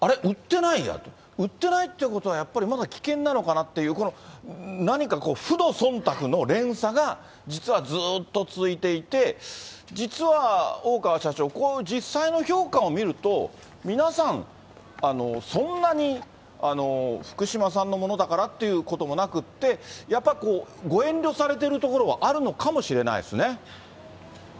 売ってないやと、売ってないってことは、やっぱりまだ危険なのかなっていう、この何か負のそんたくの連鎖が、実はずっと続いていて、実は大川社長、実際の評価を見ると、皆さん、そんなに福島産のものだからっていうことではなくって、やっぱりご遠慮されてるところはあるのかもしれないですね。